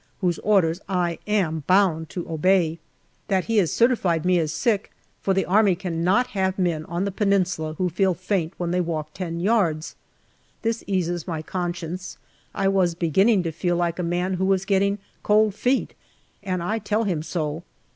whose orders I am bound to obey ; that he has JULY 159 certified me as sick, for the Army cannot have men on the Peninsula who feel faint when they walk ten yards. This eases my conscience ; I was beginning to feel like a man who was getting " cold feet," and I tell him so.